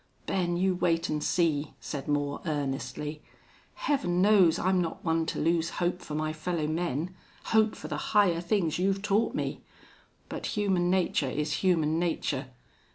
"Ben, you wait and see," said Moore, earnestly. "Heaven knows I'm not one to lose hope for my fellowmen hope for the higher things you've taught me.... But human nature is human nature.